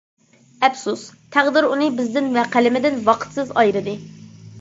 ئەپسۇس، تەقدىر ئۇنى بىزدىن ۋە قەلىمىدىن ۋاقىتسىز ئايرىدى.